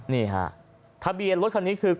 นี่ฮะทะเบียนรถคันนี้คือ